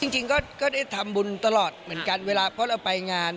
จริงก็ได้ทำบุญตลอดเหมือนกันเวลาเพราะเราไปงาน